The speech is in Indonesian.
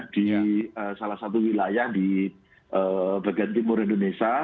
di salah satu wilayah di bagian timur indonesia